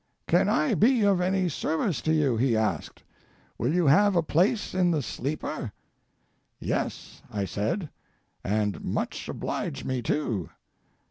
"Can I be of any service to you?" he asked. "Will you have a place in the sleeper?" "Yes," I said, "and much oblige me, too.